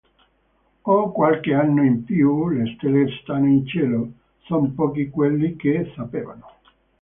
Ho qualche anno in più, le stelle stanno in cielo, son pochi quelli che sapevano